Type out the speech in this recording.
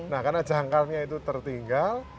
nah karena jangkarnya itu tertinggal